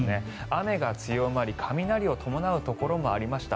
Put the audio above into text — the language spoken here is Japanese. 雨が強まり雷を伴うところもありました。